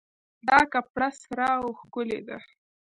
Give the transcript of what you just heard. دا کپړه سره او ښکلې ده